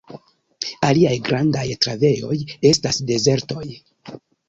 Aliaj grandaj trovejoj estas dezertoj.